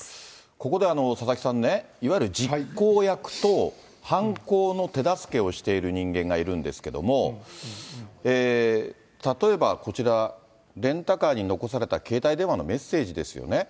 ここで佐々木さんね、いわゆる実行役と、犯行の手助けをしている人間がいるんですけれども、例えばこちら、レンタカーに残された携帯電話のメッセージですよね。